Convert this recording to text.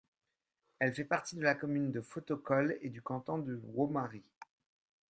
Elle fait partie de la commune de Fotokol et du canton de Woromari.